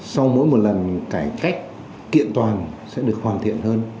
sau mỗi một lần cải cách kiện toàn sẽ được hoàn thiện hơn